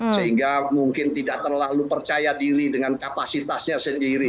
sehingga mungkin tidak terlalu percaya diri dengan kapasitasnya sendiri